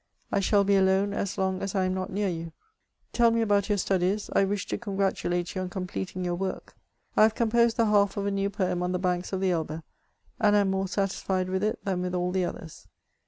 I shall be alone as long as I am not near you. Tell me CHATEAUBRIAND. 418 about your studies ; I wish to congratulate you on completing your work : I have composed the half of a new poem on the banks of the Elbe, and am more satisfied with it than with all the others.